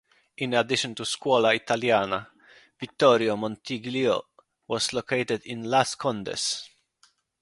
In addition the Scuola Italiana Vittorio Montiglio is located in Las Condes.